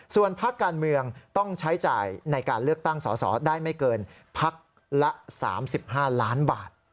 ส่วนพักการเมืองต้องใช้จ่ายในการเลือกตั้งสอสอได้ไม่เกินพักละ๓๕ล้านบาท